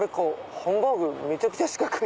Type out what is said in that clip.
ハンバーグめちゃくちゃ四角い！